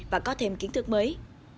và có thêm kiến thức mới